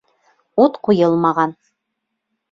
Ут ҡуйылмаған!